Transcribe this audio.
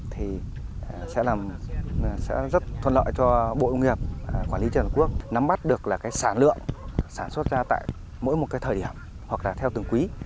thì sẽ rất thuận lợi cho bộ nguyên nghiệp quản lý trần quốc nắm mắt được sản lượng sản xuất ra tại mỗi một thời điểm hoặc theo từng quý